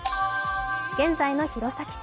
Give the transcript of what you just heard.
現在の弘前市。